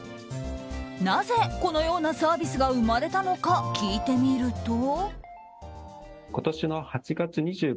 なぜ、このようなサービスが生まれたのか聞いてみると。